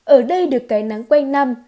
ở đây được cái nắng quen năm